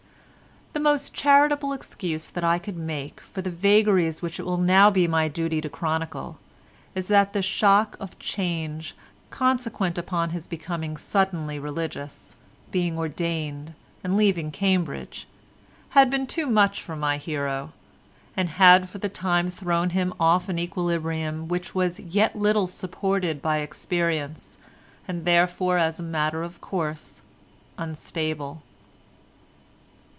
The most charitable excuse that I can make for the vagaries which it will now be my duty to chronicle is that the shock of change consequent upon his becoming suddenly religious, being ordained and leaving Cambridge, had been too much for my hero, and had for the time thrown him off an equilibrium which was yet little supported by experience, and therefore as a matter of course unstable.